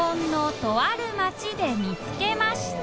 稙椶とある町で見つけました